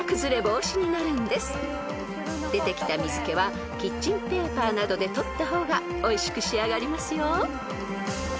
［出てきた水気はキッチンペーパーなどで取った方がおいしく仕上がりますよ］